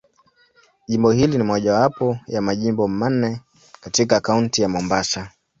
Jimbo hili ni mojawapo ya Majimbo manne katika Kaunti ya Mombasa.